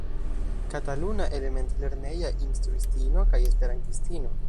Kataluna element-lerneja instruistino kaj esperantisto.